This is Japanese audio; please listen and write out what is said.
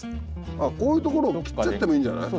あこういう所を切っちゃってもいいんじゃない？